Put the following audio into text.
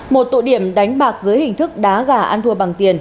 một tụ điểm đánh bạc dưới hình thức đá gà ăn thua bằng tiền